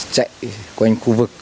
chạy quanh khu vực